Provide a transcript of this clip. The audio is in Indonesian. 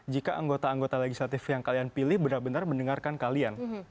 jika anggota anggota legislatif yang kalian pilih benar benar mendengarkan kalian